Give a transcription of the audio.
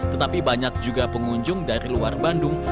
tetapi banyak juga pengunjung dari luar bandung